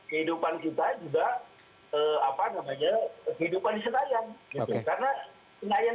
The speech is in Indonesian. kehidupan kita juga kehidupan yang lain